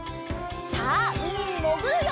さあうみにもぐるよ！